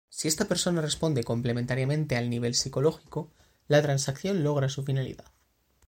Si esta persona responde complementariamente al nivel psicológico, la transacción logra su finalidad.